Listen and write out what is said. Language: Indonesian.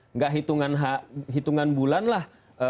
enggak hitungan bulan lah